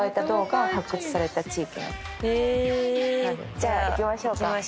じゃあ行きましょうか。